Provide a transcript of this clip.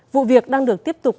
vụ việc đang được tiếp tục làm rõ